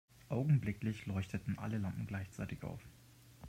Augenblicklich leuchteten alle Lampen gleichzeitig auf.